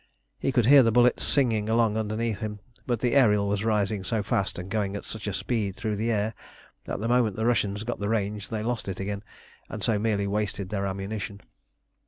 He could hear the bullets singing along underneath him; but the Ariel was rising so fast, and going at such a speed through the air, that the moment the Russians got the range they lost it again, and so merely wasted their ammunition.